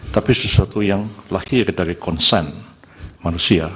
tapi sesuatu yang lahir dari konsen manusia